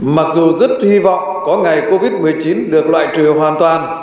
mặc dù rất hy vọng có ngày covid một mươi chín được loại trừ hoàn toàn